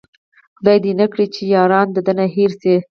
خداې دې نه کړي چې ياران د ده نه هير شي